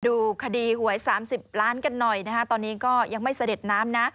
ดูคดีหวย๓๐ล้านกันหน่อยนะฮะตอนนี้ก็ยังไม่เสด็จน้ำนะ